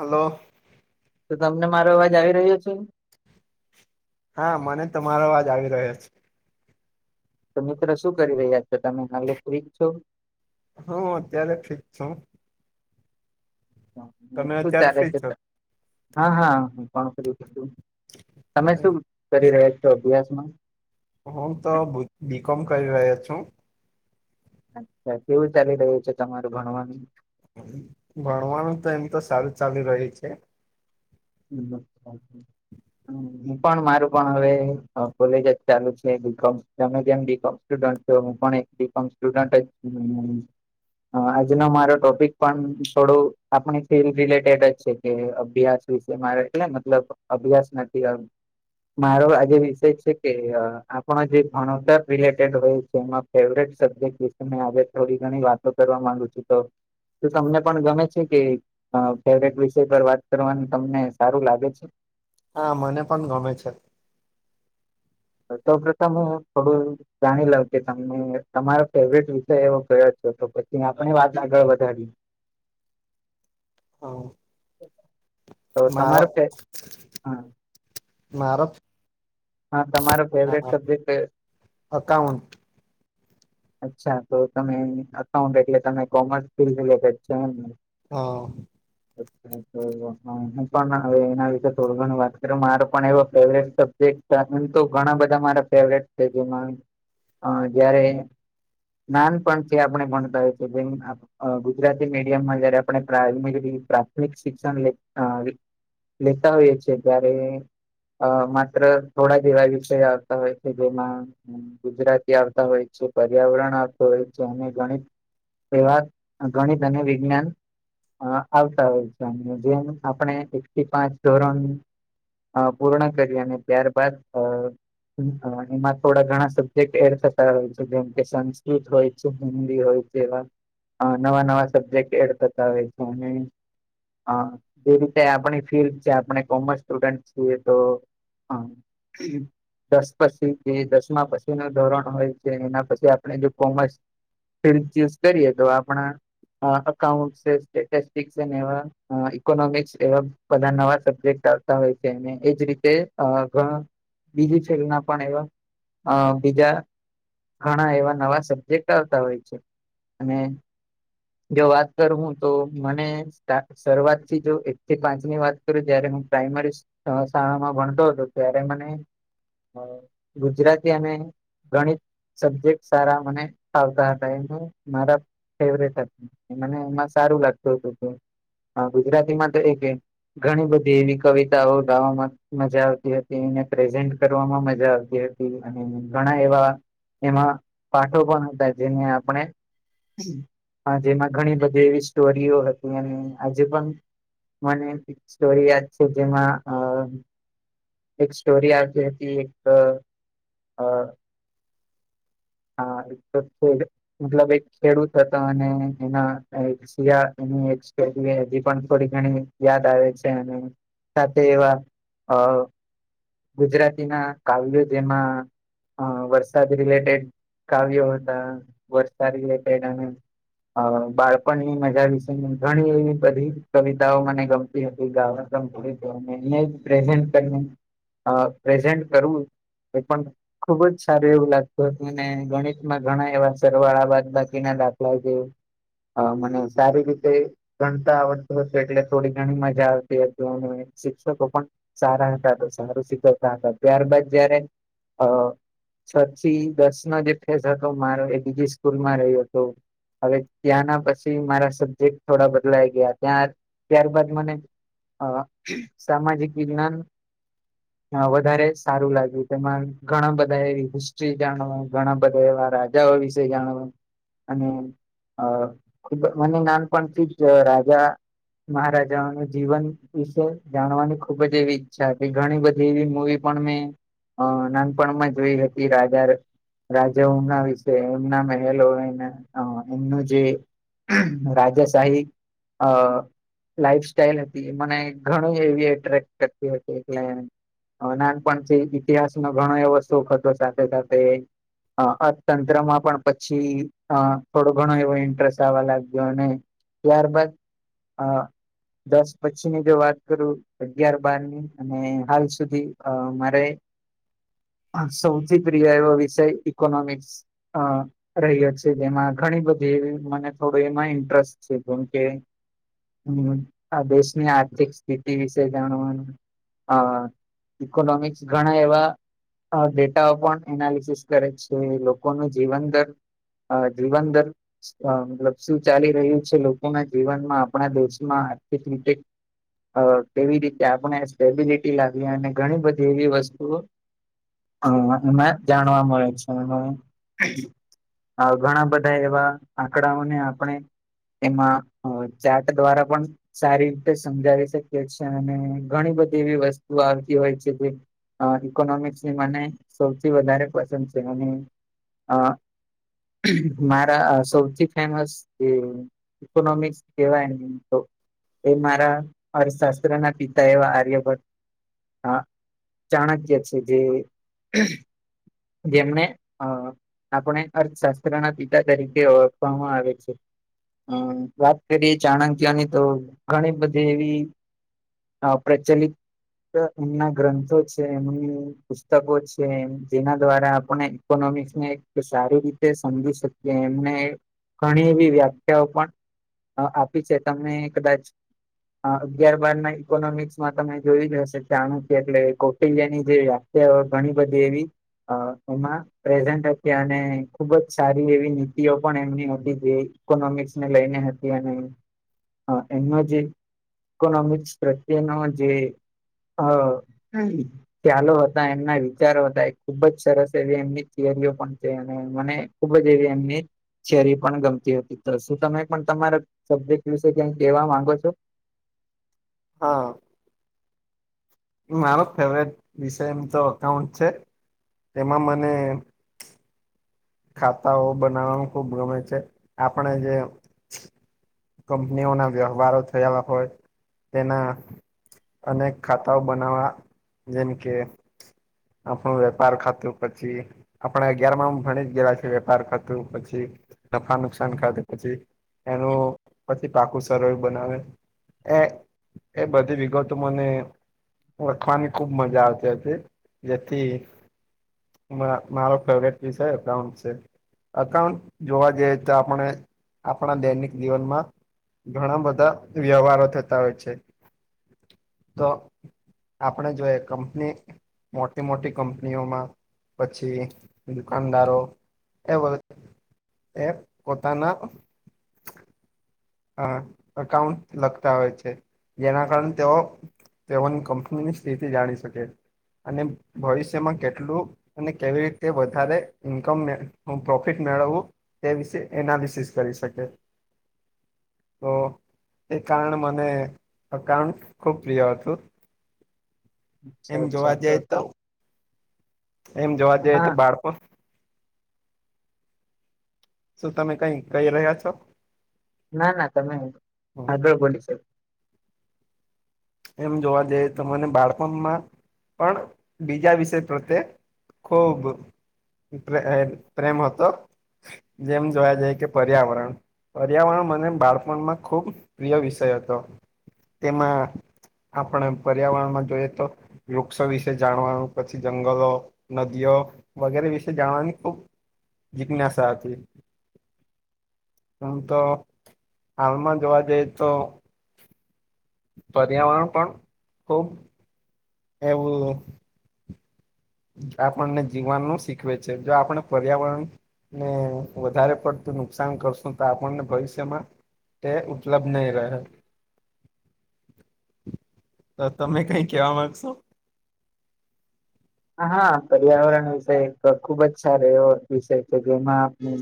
Hello તો તમને મારો અવાજ આવી રહ્યો છે. હા મને તમારો અવાજ આવી રહ્યો છે. તો મિત્રો શું કરી રહ્યા છો તમે કાલે ફ્રી છો. હું અત્યારે ઠીક છું. તમે શું અત્યારે ચાલે ફ્રી છે. છો હા હા હું પણ કરી છું તમે શું કરી રહ્યા છો. અભ્યાસમાં હું તો બ બી કોમ કરી રહ્યા છું. અચ્છા કેવું ચાલી રહ્યું છે તમારું ભણવાનું ભણવાનું તો એમ તો સારું ચાલી રયુ છે. બ હમ [inaudible] હું પણ મારું પણ હવે કોલેજ જ ચાલુ છે બીકોમ ગમે તેમમ બીકોમ. સ્ટુડન્ટ પણ એક બી કોમ સ્ટુડન્ટ [inaudible] અ આજનો મારો ટોપિક પણ થોડું આપણી ફિલ્ડ રિલેટેડ જ છે કે અભ્યાસ વિશે મારે એટલે મતલબ અભ્યાસ નથી અ. મારો આજે વિષય છે કે અ આપણે જે ભણતર રિલેટેડ હોય છે. ફેવરેટ સબ્જેક વિશે આ થોડી ઘણી વાતો કરવા માંગુ છું તો. તો તમને પણ ગમે છે કે અ ફેવરેટ વિષય પર વાત કરવાની. તમને સારું લાગે છે. હા મને પણ ગમે છે. હ ત ઉપ તોમે પડું [inaudible] જાણી લાવ કે તમે તમારો ફેવરટ વિષય એવો કયો છો તો પછી આપણે વાત આગળ વધારી. [unintelligible] હો મારો તમારો ફે હા મારો. હા તમારો ફેવરેટ સબ્જેક્ટ. અકાાઉન્ટ. અચ્છા તો તમે અકાઉન્ટ એટલે તમે કોમર્સ ફિલ્ડ રિલેટેડ છે એમ. હા. અચ્છાચ વા [inaudible] હું પણ હવે એના વિશે થોડું ઘણું વાત કર મારો પણ એવો ફેવરેટ સબ્જેક્ટ. તો ઘણા બધા મારા ફેવરેટ છે જેમાં અ જયારે. નાન પણ છે આપણે ભણતા હોય છે બે. અ ગુજરાતી મીડિયમમાં જયારે આપણે પ્રાથમિક પ્રાથમિક શિક્ષણ લેતા હોએ છે ત્યારે. અ માત્ર થોડા જે એવા વિષય આવતા હોય છે જેમાં. ગુજરાતી આવતા હોય છે પર્યાવરણ આવતો હોય છે અને ગણિત તેવા ગણિત અને વિજ્ઞાન અ આવતા હોય છે અને જેમ આપણે એક થી પાંચ ધોરણ અ પૂર્ણ કરી અને ત્યારબાદ અ. એમાં થોડા ઘણા સબ્જેક્ટ એડ તક કરાવે છે. જેમ કે સંસ્કૃત હોય છે હિન્દી હોય તેવા. અ નવા નવા સબ્જેક્ટ એડ કરતા હોય છે અને હ જે રીતે આપણી ફિલ્ડ છે આપણે કોમર્સ સ્ટુડન્ટ છીએ તો હ દસ પછી જે દસમા પછી નું ધોરણ હોય. એના પછી આપણે જો કોમર્સ ફિલ્ડ ચુઝ કરીએ તો આપણા હ અકાઉન્ટસ છે સ્ટેટિસ્ટિક્સ છે ને એવા અ ઇકોનોમિક્સ એવા બધા નવા સબ્જેક્ટ આવતા હોય છે. એજ રીતે ઘણા બીજી ફિલ્ડ ના પણ એવા અ બીજા. ઘણા એવા નવા સબ્જેક્ટ આવતા હોય છે અને જો વાત કર હું તો મને. સ્ટાર્ટ શરૂઆત થી જો એક થી પાંચ ની વાત કરું જય્યારે હું પ્રાઈમરી શાળા માં ભણતો હતો ત્યારે મને હ ગુજરાતી અને ગણિત સબ્જેક્ટ સારા મને ફાવતા હતા અને મારા ફેવરેટ હતા. મને એમાં સારું લાગતું હતું કે ગુજરાતીમાં તો એક ઘણી બધી એવી કવિતાઓ ગાવામાં મજા આવતી હતી એને પ્રેઝન્ટ કર મા મજા આવતી હતી. ઘણા એવા એમાં પાઠો પણ હતા જેને આપણે જેમાં ઘણી બધી એવી સ્ટોરીઓ હતી અને આજે પણ મને એક સ્ટોરી યાદ છે. જેમાં અ એક સ્ટોરી યાદ રેહતી એક અ અ હા એક તો મતલબ એક ખેડૂત હતો અને એના શિયા એ એક હજી પણ થોડી ઘણી યાદ આવે છે અને સાથે એવા ગુજરાતી ના કાવ્યો જેમાં વર્ષ વરસાદ રિલેટેડ કાવ્યો હતા વર્ષ રિલેટેડ અને અ બાળપણની મજા વિશેની ઘણી એવી બધી કવિતાઓ મને ગમ તી હતી [inaudible] અને પ્રેસેન્ટ કરને અ પ્રેઝન્ટ કરવું એ પણ ખૂબ જ સારું એવું લાગતું હતું ને ગણિતમાં ઘણા એવા સરવાળા બાદબાકી ના દાખલા જે હ મને સારી રીતે ગણતા આવડતુંશે એટલે થોડી ઘણી મજા આવતી હતી અને શિક્ષકો પણ સારા હતા તો સારું શીખવતા હતા. ત્યારબાદ જયારે અ છ થી દસ નો જે ફેસ હતો મારો એ બીજી સ્કૂલમાં રહ્યો હતો. હવે ત્યાંના પછી મારા સબ્જેક્ટ થોડા બદલાઈ ગયા. ત્યાં ત્યારબદ મને અ સામાજિક વિજ્ઞાન હ વધારે સારું લાગ્યું. તેમાં ઘણા બધા [inaudible] હિસ્ટ્રી જાણવા ઘણા બધા એવા રાજાઓ વિશે જાણવા અને મને નાનપણથી જ રાજા મહારાજાનું જીવન વિશે જાણવાની ખુબ જ એવી ઈચ્છા હતી. ઘણી બધી એવી મૂવી પણ મેં નાનપણમાં જોઈ હતી રાજા રજાઓના વિશે એમના મહેલો એમનું જે રાજાશાહી અ લાઈફ સાઈલ હતી. મને ઘણું એવી એટ્રેક્ટ કરતી હતી એટલે નાનપણથી ઈતિહાસમાં ઘણો એવો શો હતો. સાથે-સાથે અ તંત્રમાં પણ પછી થોડો ઘણો એવો ઇન્ટરેસ્ટ આવવા લાગ્યો અને ત્યાર બાદ અ દસ પછીની જો વાત કરું અગિયાર બારની અને હાલ સુધી મારે સૌથી પ્રિય એવો વિષય ઇકોનોમિક્સ અ રહીયા છે જેમાં ઘણી બધી મને થોડું એમાં ઇન્ટરેસ્ટ છે કેમ કે હમ આ દેશની આર્થિક સ્થિતિ વિશે જાણવાનું. હ ઇકોનોમિક્સ ઘણા એવા ડેટાઓ પણ એનાલિસિસ કરે છે લોકોનું જીવન દર અ જીવનદર મતલબ શું ચાલી રહ્યું છે. લોકોના જીવનમાં આપણા દેશમાં આર્થિક રીતે અ કેવી રીતે આપણે સ્ટેબિલિટી લાવી અને ઘણી બધી એવી વસ્તુઓ હા એમાં જાણવા મળે છે એ ઘણા બધા એવા આંકડાઓને આપણે એમાં ચાર્ટ દ્વારા પણ સારી રીતે સમજાવી શકીએ છીએ અને ઘણી બધી એવી વસ્તુઓ આવતી હોય છે જે અ ઇકોનોમિક્સની મને સૌથી વધારે પસંદ છે અને અ મારા સૌથી ફેમસ એ ઇકોનોમિક્સ કેવાય તો એ મારા અર્થશાસ્ત્ર ના પિતા એવા આર્યભટ્ટ હા ચાણક્ય છે જે જેમને અ આપણે અર્થશાસ્ત્ર ના પિતા તરીકે ઓળખવામાં આવે છે હમ વાત કરીએ ચાણક્ય ની તો ઘણી બધી એવી પ્રચલિત એમના ગ્રંથો છે એમનું પુસ્તકો છે જેના દ્વારા આપણે ઈકોનોમિક્સ ને સારી રીતે સમજી શકીએ કે એમને ઘણી એવી વ્યાખ્યાઓ પણ આપી છે તમને કદાચ અગિયાર બાર ના ઇકોનોમિક્સ માં તમે જોયુ જ હશે ચાણક્ય એટલે કોટલ્ય ની જોયા ઘણી બધી એવી અ એમાં પ્રેઝન્ટ હતી અને ખુબ જ સારી એવી નીતિઓ પણ એમની હતી જઈ ઇકોનોમિક્સ ને લઈને હતી અને એમનો જે ઇકોનોમિક્સ પ્રત્યેનો જે ચાલ એમના વિચારો થાય ખુબ જ સરસ એવી એમની થિયરીઓ પણ છે અને મને ખુબ જ એવી એમની ચરી પણ ગમતી હતી તો શું તમે પણ તમારા સબ્જેક્ટ વિશે કઈ કહેવા માંગો છો હા મારો ફેવરેટ વિષય એમ તો અકાઉન્ટ છે એમાં મને ખાતાઓ બનાવવાનું ખુબ ગમે છે આપણે જે કંપનીઓના વ્યવહારો થયા હોય તેના અનેક ખાતાઓ બનાવવાના જેમ કે આપણું વેપાર ખાતું પછી આપણે અગિયારમાં માં ભણી વેપાર કરતું પછી નફા નુકસાન કરાતું પછી એનું પછી પાકું સરર બનાવે એ એ બધી વિગતો મને વખવાની ખુબ મજા આવતી હતી જેથી મા-મારો ફેવરેટ વિષય અઉ અઉન્ટ જોવા જઈએ તો આપણે આપણા દૈનિક જીવનમાં ઘણા બધા વ્યવહારો થતા હોય છે તો આપણે જો એ કંપની મોટી મોટી કંપનીઓમાં પછી દુકાનદાર તો એવો એ પોતાના અ અકાઉન્ટ લખતા હોય છે જેના કારણે તેઓ તેઓની કંપનીની સ્થિતિ જાણી શકે અને ભવિષ્યમાં કેટલું અને કેવી રીતે વધારે ઇન્કમ પ્રોફિટ મેળવવું તે વિશે એનાલિસિસ કરી શકે તો એ કારણે મને અકાઉન્ટ ખુબ પ્રિય હતું અચ્છા એમ જોવા અચ્છા જઈએ તો તમે એમ જોવા જઈ તો હા બાળકો શું તમે કઈ કહી રહ્યા છો ના ના તમે આગળ બોલી શકો એમ જોવા જઈએ તમને બાળપણમાં પણ બીજા વિષય પ્રત્યે ખુબ પ્ર પ્રેમ હતો જેમ જોવા જઈએ કે પર્યાવરણ પર્યાવરણ મને બાળપણમાં ખુબ પ્રિય વિષય હતો તેમાં આપણે પર્યાવરણમાં જોઈએ તો વૃક્ષો વિશે જાણવાનું પછી જંગલો નદીઓ વગેરે વિશે જાણવાની ખૂબ જીગ્નસા હતી હમ તો હાલમાં જોવા જઈએ તો પર્યાવરણ પણ ખુબ એવું આપણને જીવવાનું શીખવે છે જો આપણે પર્યાવરણ ને વધારે પડતું નુકસાન કરશું તો આપણને ભવિષ્યમાં તે ઉપલબ્ધ નહી રહે તો તમે કઈ કહેવા માંગશો હા પર્યાવરણ વિષય ખુબ જ સારો એવો વિષય કે જેમાં આપણે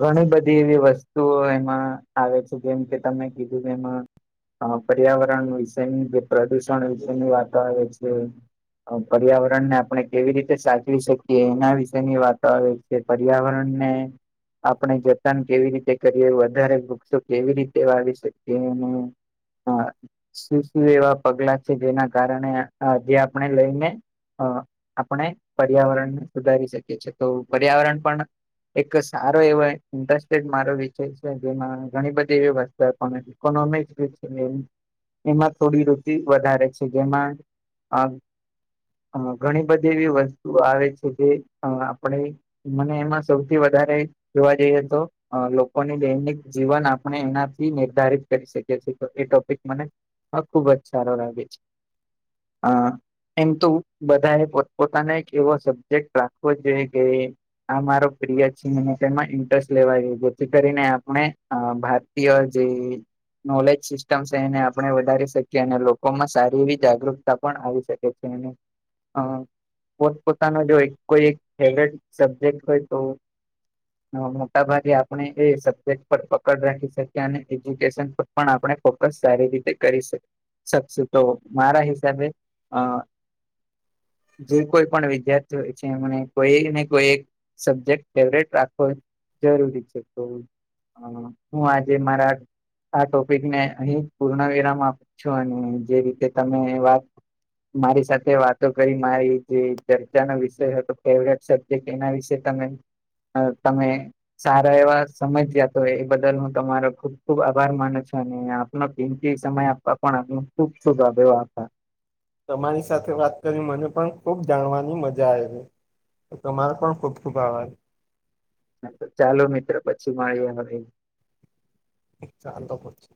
ઘણી બધી એવી વસ્તુઓ એમાં આવે છે જેમ કે તમે કીધું કે એમાં હ પર્યાવરણ વિશેની જે પ્રદુષણ વિશે ની વાતો આવે છે પર્યાવરણ ને આપણે કેવી રીતે સાચવી શકીએ એના વિશે ની વાતો આવે છે કે પર્યાવરણને આપણે જતન કેવી રીતે કરીએ વધારે વૃક્ષો કેવી રીતે વાવી શકીએ એનૅ હ શું શું એવા પગલા છે જેના કારણે આજે આપણે લઈને હે આપણે પર્યાવરણને સુધારી શકીએ છીએ તો પર્યાવરણ પણ એક સારો એવૉ ઇન્ટરેસ્ટેડ મારો વિષય છે જેમાં ઘણી બધી એવી વાત પણ જે છે એમાં થોડી રુચિ વધારે છે જેમાં આમ અ ઘણી બધી એવી વસ્તુઓ આવે છે જે આપણે મને એમાં સૌથી વધારે જોવા જઈ તો અ લોકોની દૈનિક જીવન આપણે એનાથી નિર્ધારિત કરી શકીએ છીએ એ ટોપિક મને હા ખુબ જ સારો લાગે છે હા એમ તો બધા એ પોતપોતાના એક એવો સબ્જેક્ટ રાખવો જોઈએ કે આ મારો પ્રિય છે તેમાં ઇન્ટરેસ્ટ લેવાય જેથી કરીને આપણે ભારત યોર જેલ નોલેજ સિસ્ટમ છે એને આપણે વધારી શકીએ અને લોકોમાં સારી એવી જાગૃતતા પણ આવી શકે એ કે ને અ પોતપોતાનો જો કોઈ એક ફેવરેટ સબ્જેક્ટ હોય તો મોટાભાગે આપણે એ સબ્જેક્ટ પર પકડ રાખી શકીએ અને એજ્યુકેશન પર પણ આપણે ફોકસ સારી રીતે કરી શ શકશું તો મારા હિસાબે અ જે કોઈ પણ વિદ્યાર્થી હોય છે એમને કોઈ ને કોઈ એક સબ્જેક્ટ ફેવરેટ રાખવો જરૂરી છે હ હુુ આજે મારા આ ટોપિક ને અહી પૂર્ણ વિરામ આપ છો અને જે રીતે તમે વાત મારી સાથે વાતો કરી મારી જે ચર્ચાનો વિષય હતો ફેવરેટ સબ્જેક્ટ એના વિશે તમે અ તમે સારા એવા સમજયાતો હોય એ બદલ હું તમારો ખુબ ખુબ આભાર માનું છું અને આપ નો કિમતી સમય આપવા પણ આપ ખુબ ખુબ આભાર તમારી સાથે વાત કરી મને પણ ખુબ જાણવાની મજા આવે છે તો તમારો પણ ખુબ ખુબ આભાર ચાલો મિત્રો પછી મલીએ પછી ચાલો પછી